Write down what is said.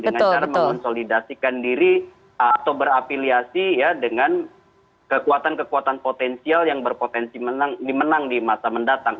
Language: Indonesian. dengan cara mengonsolidasikan diri atau berafiliasi dengan kekuatan kekuatan potensial yang berpotensi menang di masa mendatang